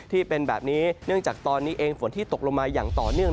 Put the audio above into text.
ที่เป็นแบบนี้เนื่องจากตอนนี้เองฝนที่ตกลงมาอย่างต่อเนื่อง